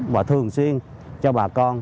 và thường xuyên cho bà con